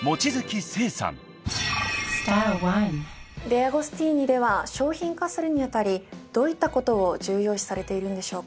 デアゴスティーニでは商品化するに当たりどういったことを重要視されているんでしょうか？